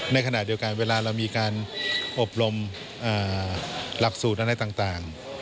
ในขณะเดียวกันเวลาเรามีการอบรมหลักสูตรอะไรต่าง